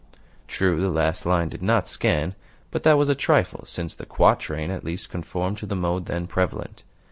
'" True, the last line did not scan, but that was a trifle, since the quatrain at least conformed to the mode then prevalent.